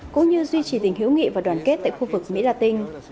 cũng như duy trì tình hiếu nghị và đoàn kết tại khu vực mỹ latinh